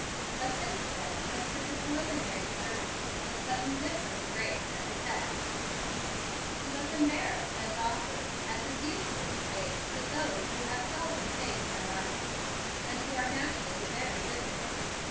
But Hemstead went through the preliminary services with but indifferent grace and effect. He was embarrassed and awkward, as is usually the case with those who have seldom faced an audience, and who are naturally very diffident.